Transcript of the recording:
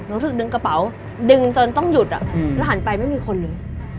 รู้สึกดึงกระเป๋าดึงจนต้องหยุดแล้วหันไปไม่มีคนเลย